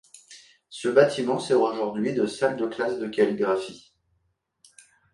Ce bâtiment sert aujourd'hui de salle de classe de calligraphie.